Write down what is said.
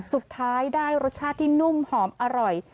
สุดท้ายได้รสชาติที่นุ่มหอมอร่อย